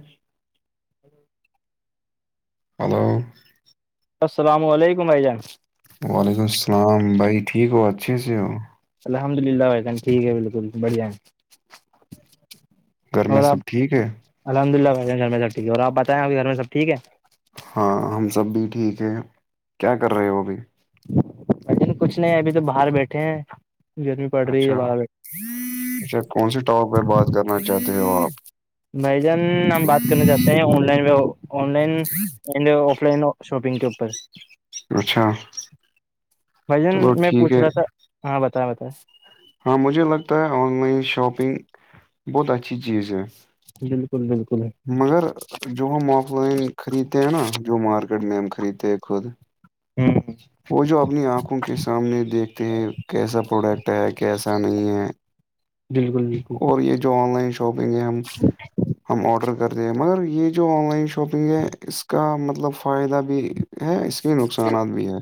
جی ہ ہلو السلام علیکم ا جان وعلیکم السلام بھائی ٹھیک ہو اچھے سے ہو الحمد للہ وائی جان ٹھیک ہے بالکل بڑھیا ہے گھر میں سب ٹھیک ہے الحمدلہ بھائی گھر میں سب ٹھیک اور آپ بتیں آ کہ گھر میںبٹھیک ہے ہاں ہم سب بھی ٹھیک ہیں کیا کر رہے ہو وہ ابھی اچن کچھ نہیں ابھی تو باہر بیٹھے ہیں گرمی پڑ رہی ہے اچھا باہر بیٹھے اچھا کون سے ٹااک پ بات کرنا چاہتے ہو آپ بائی جان ہم بات کرنا چاہتے ہیں آن لائن میں آن لائن ڈ آف لائن شاپنگ کے اوپر اچھا بھ جن چلو میں ٹھیک پوچھ ہے رہا تھا ہاں بتیں بتائیں ہاں مجھے لگتا ہے آن لائن شاپنگ بہت اچھی چیز ہے بالکل بالکل مگر جو ہم آف لائن خریدتے ہیں نا جو مارکیٹ میں ہم خریدتے ہیں خود ہوں وہ جو اپنی آنکھوں کے سامنے دیکھتے ہیں کیسا پروڈکٹ ہے کیسا نہیں ہے بالکل بالکل اور یہ جو آن لائن شاپنگ ہے ہم ہم آڈر کر دے ہیں مگر یہ جو آن لائن شاپنگ ہے اس کا مطلب فائدہ بھی ہاں اس کے نقصانات بھی ہے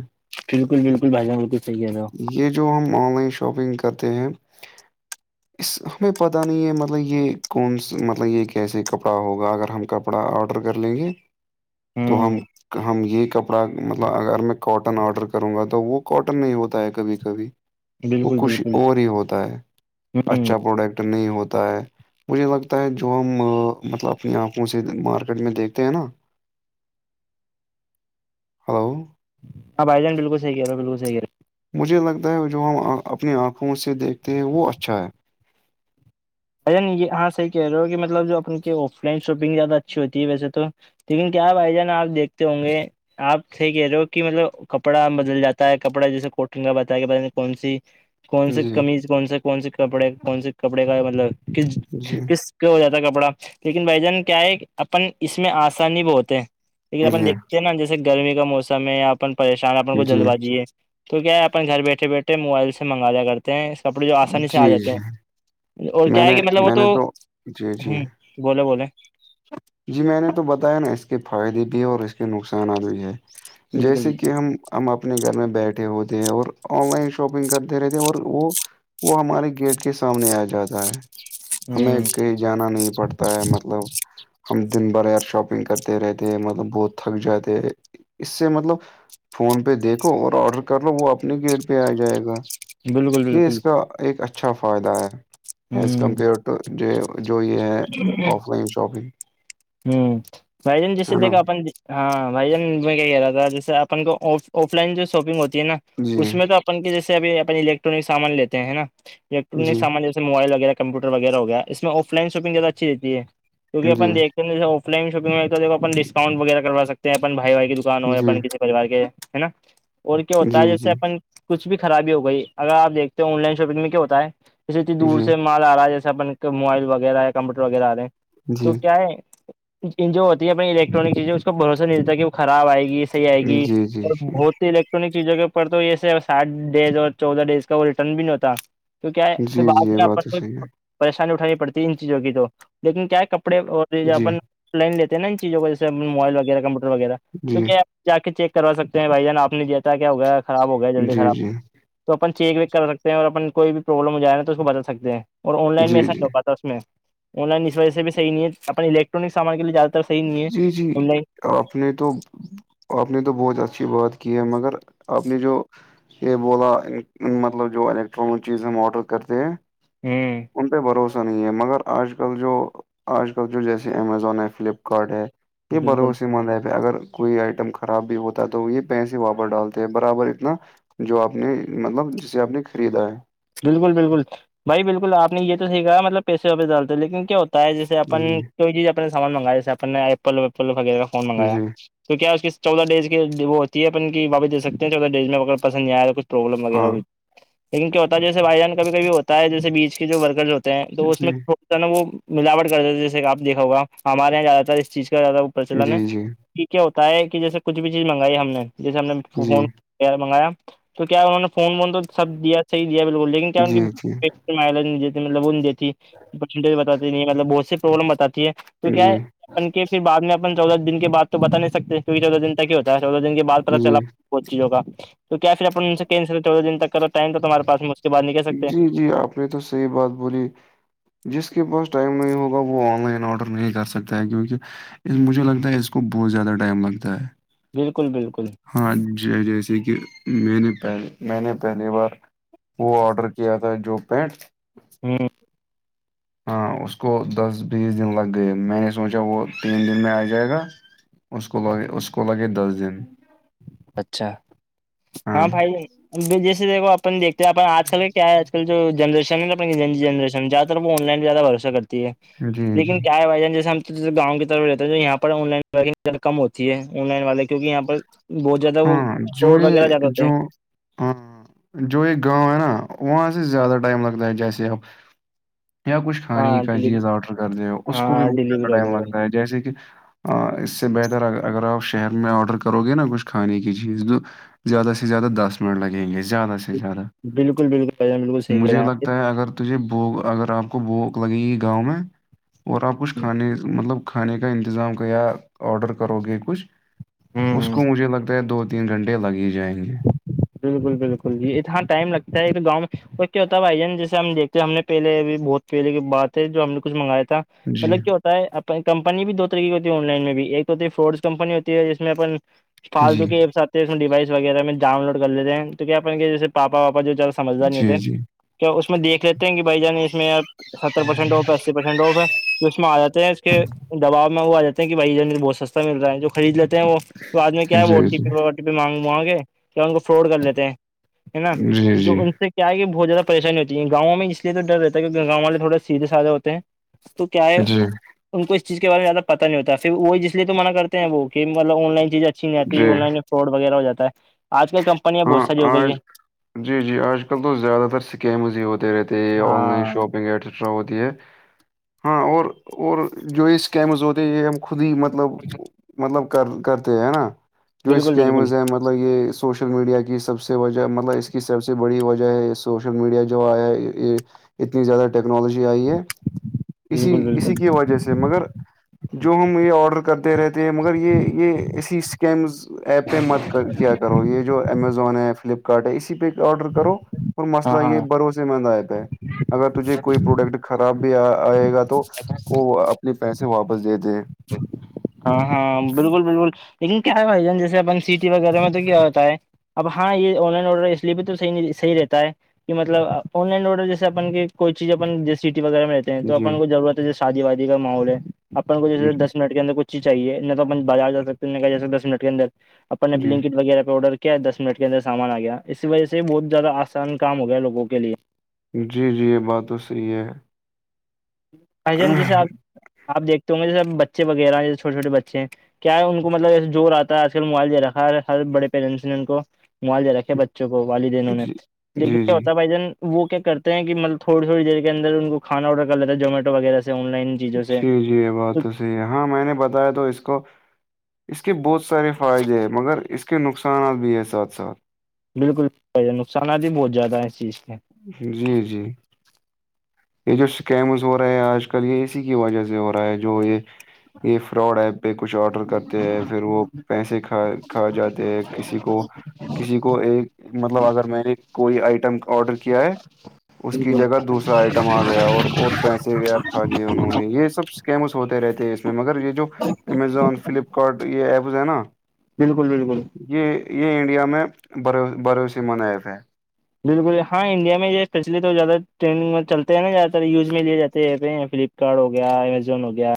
بالکل بالکل بھان بالکل صحی ہے رہا یہ جو ہم آن لائن شاپنگ کرتے ہیں اس ہمیں پتہ نہیں ہے مطلب یہ کونا مطلب یہ کیسے کپڑا ہوگا اگر ہم ک کپڑا آڈر کر لیں گے تو ہم ہوں ہم یہ کپڑا مطلب اگر میں کاٹن آڈر کروں گا تو وہ کاٹن نہیں ہوتا ہے کبھی کبھی وہ بالکل کچھ بالکل اور ہی ہوتا ہے ہوں اچھا پروڈکٹ نہیں ہوتا ہے مجھے لگتا ہے جو ہم مطلب اپنی آنکھوں سے مارکیٹ میں دیکھتے ہیں نا ہلو ہ بائی جان بالکل صحیح کہ رہے ہو بالکل صحیح کہ رہے ہو مجھے لگتا ہے جو ہم اپنی آنکھوں سے دیکھتے ہیں وہ اچھا ہے بھی جان آپ صحیح کہ رہے ہو کہ مطلب جو اپ کے آف لائن شاپنگ زیادہ اچھی ہوتی ہے ویسے تو لیکن کیا ہے بھائی جان آپ دیکھتے ہوں گے آپ ص کہہ رہے ہو کہ مطلب کپڑا بدل جاتا ہے کپڑا جیسے کوٹن کا بتایا گ پ کون سی کون سے جی کمیز کون سے کون سے کپڑے کون سے کپڑے کا مطلب کس جی کس ہو جاتا کپڑا لیکن بھ جان کیا ہے اپن اس میں آسانی بھی ہوتے ہیں لیکن اپن جی دیکھ نا جیسے گرمی کا موسم ہے یا اپن پریشان اپن کو جلد جی بازی ہے تو کیا ہے اپن گھر بیٹھے بیٹھے موبائل سے منگایا کرتے ہیں کپڑے جو آسانی سے آ جی جاتے جی ہیں اور میں کیا ہے نے کہ مطلب وہ میں نے تو جی جی ہ بولے بولے جی میں نے تو بتایا نا اس کے فائدے بھی اور اس کے نقصانات بھی ہے بالکل جیسے کہ بالکل ہم ہم اپنے گھر میں بیٹھے ہوتے ہیں اور آن لائن شاپنگ کرتے رہتے ہیں اور وہ وہ ہمارے گیٹ کے سامنے آ جاتا ہے ہمیں ہ کہیں جانا نہیں پڑتا ہے مطلب ہم دن بھر یار شاپنگ کرتے رہتے مطلب بہت تھک جاتے اس سے مطلب فون پہ دیکھو اور آرڈر کر لو وہ اپنے گیٹ پہ آ جائے گا بالکل یہ بالکل اس کا ایک اچھا فائدہ ہے ایز ہ کمپیئر ٹو جو یہ ہے آف لائن شاپنگ ہوں بھی جن جسے ہے نا دیکھ اپن ہاں بھائی جن میں کیا کہہ رہا تھا جیسے اپن کو آف لائن جو شاپنگ ہوتی ہے نا جی اس میں تو جیسےبھی اپ الیکٹرک سامان لیتے ہیں نا الیکٹرک جی سامان موبائل وغیرہ کمپیوٹر وغیرہ ہویا اس میں آف لائن شاپنگیادہ اچھی رہتی ہے جی کیہنیک س آفائن شپگ میں تو کون ڈسکؤنٹ وغیرہ کر سکتے ہیں اپ بائی کی دکان ہے جی پریوار کے ہے نا اور کیا ہوتا جی ہے جی جیسے اپن کچ بھی خرابی ہو گئی اگر آپ دیکھتے آن لائن شاپنگ میں کیا ہوتا ہے اسے اتنی جی دور جی سے مال آ رہا جیسے اپن موبائل وغیرہ ہے کمپیوٹر وغیرہ آ رہے ہیں جی تو کیا ہے ان جو ہوتی ہے اپنی الیکٹرانک چیزیں اس کو بھروسہ نہیںلتا کہ وہ خراب آئے گی صح آئے گی جی جی اور بہت ل الٹرک چیزوں کے اور تو یہے ساتھ ڈیز اور چودہ ڈیز کا وہ ریٹرن بھی نہیں ہوتا تو کیا ہے جی اس جی سے بعد یہ بات تو میں صحیح ہے کو پریشانی اٹھانی پڑتی ان چیزوں کی تو لیکن کیا ہے کپڑے اور جی اپن لائن لیتے ہیں ن ان چیزوں کو جیسے موبائل وغیرہ کپوٹر وغیرہ تو جی کیا ج آ کے چیک کروا سکتے ہیں بھائی جان آپ نے دیتا کیا ہو گیا خراب ہو گیا جلدی جی خراب جی تو اپن چیک ویک کر سکتے ہیں اور اپن کوئی بھی پرابلم ہو جائےا تو اس کو بتا سکتے ہیں اور آن لائن میں جی ایسا جی د میں آن لائن اس وجہ سے بھی صحی نہیں ہے اپنے الیکٹرانک سامان کے لیے زیادہ تر صح نہیں ہے جی جی آن لائن آپ نے تو آپ نے تو بہت اچھی بات کی ہے مگر آپ نے جو یہ بولا مطلب جو الیکٹرانک چیز ہم آرڈر کرتے ہیں ہوں ان پہ بھروسہ نہیں ہے مگر آج کل جو آج کل جو جیسے امیزون ہے فلپ کٹ ہے یہ بالکل بھروس مند ہے پہ اگر کوئی آئٹم خراب بھی ہوتا ہے تو یہ پیسے واپر ڈالتے ہیں برابر اتنا جو آپ نے مطلب جسے آپ نے خریدا ہے بالکل بالکل بھائی بالکل آپ نے یہ توحیھا مطلب پیسےیس ڈالتے لن کیا ہوتا ہے جیسے اپ جی کو جیز اپ سامان مگایاے اپ ایپل وپل وغیرہ کا فون مگایا جی تو کیا اس کی چودہ ڈیز کی وہ ہوتی ہے اپن کی باپ دے سکتے ہیں چودہ ڈیز میں اگر پسند نہیں آیا ہے کچھ پروبلم وغیرہ ہاں ہوئی لیکن کیا ہوتا ہے جیس بائیان کبھی کب ہوتا ہے جیس بیچ کے جو ورکرز ہو تو اس میں جی تھوڑا سا وہ ملاوٹ کر دیتے ہیں جیسے آپ دیکا ہوگا ہمارے یہاں زیاد تر اس چیز کا زیادہ پرچلن جی جی ہے کیا ہوتا ہے کہ جیسے کچھ بھی چیز منگائی ہم نے جیسے ہم نے جی فون وغیرہ منگایا تو کیا انہوں نے فون وون تو سب دیا صحیح دیا بالکل لیکن کیا جی ان کی جی دی مب دیتی پرج بتاتی نہیں ملب بہتی پرابلم بتاتی ہے تو کیا ہے جی اپ کے پھر بعد میں چودہ دن کے بد تو بتا نہیں سکتے کیکہ چودہ دن ت کیا ہوتا ہے چودہ دن کے بع پتا جی چلا وہ چیزوں کا تو کیا پھر اپ ان سے کیسل چودہ دن تک کر ائم تومارے پاس میں اس کے بعد نہیں جی جی آپ نے تو صحی بات بولی جس کے پاس ٹائم نہیں ہوگا وہ آن لائن آڈر نہیں کر سکتا ہے کیونکہ اس مجھے لگتا ہے اس کو بہت زیادہ ٹائم لگتا ہے بالکل بالکل ہاں ج جیسے کہ میں نے پہ میں نے پہلی بار وہ آرڈر کیا تھا جو پینٹ ہاں ہاں اس کو دس بیس دن لگ گئے میں نے سوچا وہ تین دن میں آ جائے گا اس کو لگے اس کو لگے دس دن اچھا ہاں بھائی ا جیسے دیکھو اپن دیکھ تو اپ آج کل کا کیا ہے آج کل جو جنریشن ہے اپن جنریشن جہ تو وہ آن لن زیادہھروسا کرتے جی جی لیکن کیا ہے وجہ جیسے ہم جیس گاؤں کی طرف رہتے ہے تو یہاں پر آن لائن والے کی ز کم ہوتی ہے آن لائن والے کیکہ یہاں پر بہت زیادہ وہ ہاں شوڈ جو یہ وغیرہ زیادہ ہوتے جو ہیں ہاں جو ایک گاؤں ہے نا وہاں سے زیادہ ٹائم لگتا ہے جیسے اب یا کچھ کھانے ہاں کا ڈیلی چیز آرڈر کر د ہو اس کو بھی ہاں بہت زیادہ ڈیلیوری ٹائم وغیرہ لگتا ہے جیسے کہ اس سے بہتر اگر آپ شہر میں آرڈر کرو گے نا کچھ کھانے کی چیز تو زیادہ سے زیادہ دس منٹ لگیں گے زیادہ سے سے زیادہ بالکل بالکل بھائی جان بالکل صحیح کہہ رہے مجھے ہیں لگتا آپ ہے اگر تو یہ بو اگر آپ کو بھوک لگے گی گاؤں میں اور آپ کچھ کھانے مطلب کھانے کا انتظام کیا آڈر کرو گے کچھ اس ہوں کو مجھے لگتا ہے دو تین گھنٹے لگ ہی جائیں گے بالکل بالکل جی اتنا ٹائم لگتا ہے تو گاؤں میں اور کیا ہوتا ہے بھائی جان جیسے ہم دیکھتے ہیں ہم نے پہلے بھی بہت پہلے کے بات ہے جو ہم نے کچھ منگایا تھا جی مطلب کیا ہوتا کمپنی بھی دو طریق کی ہوتی ہے آن لائن میں بھی ایک ہوتی ہے فڈز کمپنی ہوتی ہے جس میں اپن فالتو جی کےی ایپس آتے ہیں اس میں ڈوائس وغیرہ میں ڈاؤن لوڈ کر لیتے ہیں تو کیا اپنے جسے پا جو سمجھار نہیں جی ہوتے جی کیا اس میں دیکھ لیتے ہیں کہ بھائی جان اس میں ستر پرسینٹ آف ایس پرسینٹ آف ہے جو اس میں آ جاتے ہیں اس کے دباؤ میں وہ آ جے ہیں کہ بھائین بہت سستے مل رہا ہے جو خرید لیتے ہیں وہ تو آد میں کیا ہےو جی ٹی جی پی پ مانگ مگے کیا ان کو فراڈ کر لیتے ہیں ہے نا جی جی جو ان سے یہ آگے بہت زیادہ پریشانی ہوتی ہے گاؤں میں اس لیے تو ڈر رہتا ہے کیک گاؤں والے تھوڑ سیدھے سادھے ہو ہیں تو کیا ہے جی ان کو اس چیز کے بارے میں زیاد پتہ نہیں ہوتا پھر وہ اسسے تو منع کرتے ہیں وہ کہ مطل آن لائن چیزیں اچھی نہیں آتی ہے جی آن لائن میں فراڈ وغیرہ ہو جا ہے آج کل کمپنیاں ہاں بہت ساری ہو گئی آج ہے جی جی آج کل تو زیادہ تر اسکیمز ہی ہوتے رہتے آن لائن ہاں شاپنگ ایٹس ا ہوتی ہے ہاں اور اور جو اسکیمز ہوتے یہ ہم خود ہی مطلب [unintelligible] مطلب کر کرتے ہے نا جو بالکل بالکل اسکیمز ہیں مطلب یہ سوشل میڈیا کی سب سے وجہ مطلب اس کی سب سے بڑی وجہ ہے سوشل میڈیا جو آیا یہ اتنی زیادہ ٹیکنالوجی آئی ہے اسی بالکل بالکل اسی کی وجہ سے مگر جو ہم یہ آڈر کرتے رہتے ہیں مگر یہ یہ اسی اسکیمز ایپ پہ مت کیا کرو یہ جو امیزون ہے فلپکارٹ ہے اسی پہ آرڈر کرو اور ہاں مسئلہ ہاں یہ بھروسے مند آیاتا ہے اگر تجھے کوئی پروڈکٹ خراب بھی آئے گا تو وہ اپنے پیسے واپس دے د ہاں ہاں بالکل بالکل لیکن کیا ہےائی جےا جسے اپن سٹی وغیرہ میں تو کیا ہوتا ہے اب ہاں یہ آن لائن آڈر اس لیے بھی تو صحی صحی رہتا ہے کہ مطلب آن لائن آرڈر جیسےن کوئی چیز اپن سٹی وغیرہ ملتی تو جی اپن کو ضرورت ہے جو شادی وادی کا ماحول ہے اپن کو جیسے جی دس منٹ اندر کچ چیز چاہیے نہ تو اپ بازار جاکتے ہیں نہ کہ ج سکتے دس منٹ کے اندر اپنے بلکٹ وغیرہ آڈر کر کیا دس منٹ کے اندر سامان آ گیا اسی وجہ سے بہت زیادہ آسان کام ہو گیا ہےوگوں کے لیے جی جی یہ بات تو صحیح ہے بھ جان جیے آپ دیکھتے ہ گے جیسےب بچے وغیرہ جس چھوٹے چھوٹے بچے ہیں کیا ان کو مطلب زور آتا ہے آج کل موبائل د را ہے ہر بڑے پیرنٹس نے ان کو موبائل دے رکھے ہے جی بچے بچوں کو والد انہوں نے لیکن جی کیا جی ہوتا بھائی جان وہ کیا کرتے ہیں کہطلب تھوڑی تھوڑی دیر کے اندر ان کو کھانا آڈر کر لیتا ہے جوومیٹ وغیرہ سے آن لائن چیزوں سے جی جی یہ بات تو صحیح ہے ہاں میں نے بتایا تو اس کو اس کے بہت سارے فائدے ہیں مگر اس کے نقصانات بھی ہیں ساتھ ساتھ بالکل بھ نقصانات بھی بہت زیادہ ہیں اس چیز کے جی جی یہ جو سکیمز ہو رہے ہے آج کل یہ اسی کی وجہ سے ہو رہا ہے جو یہ یہ فراڈ ایپ پہ کچھ آرڈر کرتے ہیں پھر وہ پیسے کھا کھا جاتے ہیں کسی کو کسی کو ایک مطلب اگر میں نے کوئی آئٹم آڈر کیا ہے اس کی بالکل جگہ دوسرا آئٹم آ گیا اور اور پیسے گیا کھا لیے انہوں نے یہ سب کیمس ہوتے رہتے ہیں اس میں مگر یہ جو امیزون فلپکارٹ یہ ایپز ہے نا بالکل بالکل یہ یہ انڈیا میں بھروسے مند ایپ ہے بالکل ہاں انڈیا میں یہ اسپیشلی تو زیادہ ٹرینڈنگ میں چلتے ہیں نا زیاد تر یوز لیے جاتے ہیں فلپ کارڈ ہو گیا امیزون ہو گیا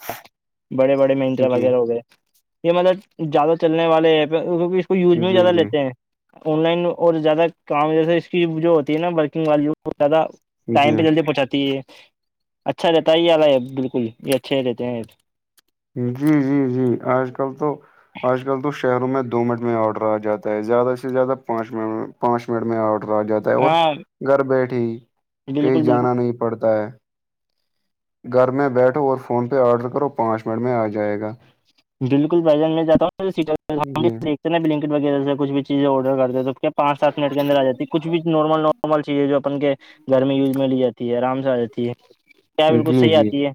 بڑے بڑے منترا جی وغیرہ ہو گئے یہ مطلب زیادہ چلنے والے ہیں کیکہ یوز میں جی زیادہ جی لیتے ہیں آن لائن اور زیادہ کام جیسے جو ہوتی ہے نا ورکنگ والی وہ زیادہ ٹائم جی پہ جلدی پہنچاتی ہے اچھا رہتا ہے یہ ال بالکل یہ اچھے رہتے ہیں جی جی جی آج کل تو آج کل تو شہروں میں دو منٹ میں آرڈر آ جاتا ہے زیادہ سے زیادہ پانچٹ پانچ منٹ میں آرڈر رہ جاتا ہے اور ہاں گھر بیٹھے کہیں بالکل بالکل جانا نہیں پڑتا ہے گھر میں بیٹھو اور فون پہ آرڈر کرو پانچ منٹ میں آ جائے گا بالکل بجان میں جاتا ہوں جی دیکھتے نا بلکٹ وغیرہ سے کچھ بھی چیز آرڈر کرتے تو پانچ سات منٹ کے اندر آ جاتی ہے کچھ بھی نارمل نارمل چیزیں جو اپن کے گھر میں یوز میں لی جاتی ہے آرام سے آ جاتی ہے کیا بالکل جی صحیح جی آتی ہے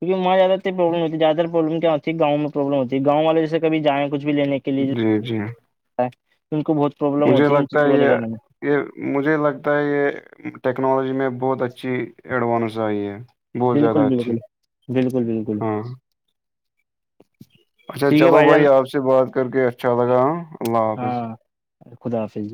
کیونکہ میںدہ پرلم ہو زدہ پرلم گاؤں میں پروبلم ہوتی ہے گاؤں والے جیسے کبھی جائیں کچھ بھی لینے کے لیے جی جی ان کو بہت پروبلم مجھے ہوتی ان لگتا چیزوں ہے کو لے کرنے میں یہ یہ مجھے لگتا ہے یہ ٹیکنالوجی میں بہت اچھی ایڈوانس آئی ہے بہت زیادہ بالکل اچھی بالکل بالکل بالکل ہاں اچھا ٹھیک ہے چلو بھائی جان آپ سے بات کر کے اچھا لگا اللہ حافظ ہاں خدا حافظ